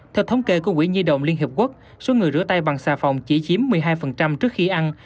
theo thống kê của quỹ nhi đồng liên hiệp quốc số người rửa tay bằng xà phòng chỉ chiếm một mươi hai trước khi ăn